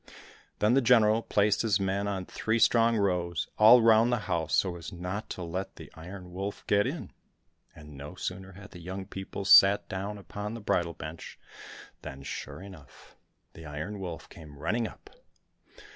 Then the General placed his men in three strong rows all round the house so as not to let the Iron Wolf get in ; and no sooner had the young people sat down upon the bridal bench, than, sure enough, the Iron Wolf came running up.